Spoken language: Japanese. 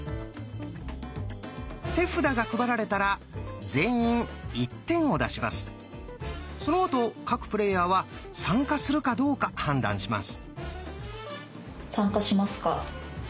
手札が配られたらそのあと各プレーヤーは参加するかどうか判断します。